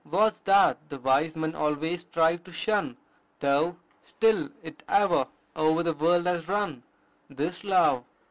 What's that the wise man always strives to shun, Though still it ever o'er the world has run? 'Tis love."